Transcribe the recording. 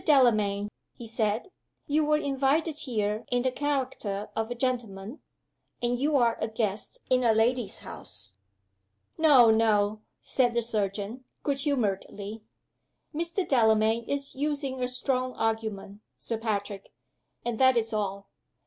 Delamayn," he said, "you were invited here in the character of a gentleman, and you are a guest in a lady's house." "No! no!" said the surgeon, good humoredly. "Mr. Delamayn is using a strong argument, Sir Patrick and that is all.